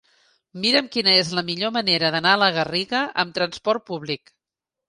Mira'm quina és la millor manera d'anar a la Garriga amb trasport públic.